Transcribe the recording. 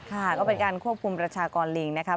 ค่ะก็เป็นการควบคุมประชากรลิงนะครับ